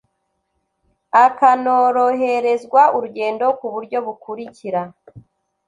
akanoroherezwa urugendo ku buryo bukurikira